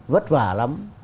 vất vả lắm